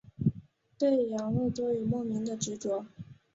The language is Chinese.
对养乐多有莫名的执着。